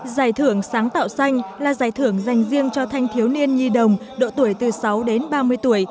giải thưởng sáng tạo xanh là giải thưởng dành riêng cho thanh thiếu niên nhi đồng độ tuổi từ sáu đến ba mươi tuổi